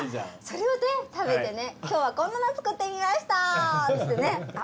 それを食べて「今日はこんなの作ってみましたー！」